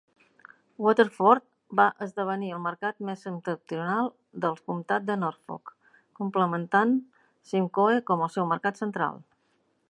Waterford va esdevenir el mercat més septentrional del comtat de Norfolk, complementant Simcoe com el seu mercat central.